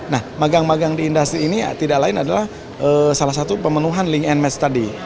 nah magang magang di industri ini tidak lain adalah salah satu pemenuhan link and match tadi